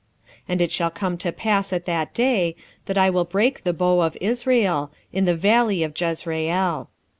1:5 And it shall come to pass at that day, that I will break the bow of Israel, in the valley of Jezreel.